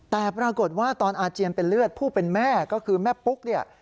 แต่ปรากฏว่าตอนอาเจียนเป็นเลือดผู้เป็นแม่ก็คือแม่ปุ๊กเนี่ย